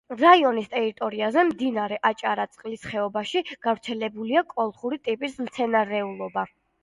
რაიონის ტერიტორიაზე მდინარე აჭარისწყლის ხეობაში გავრცელებულია კოლხური ტიპის მცენარეულობა.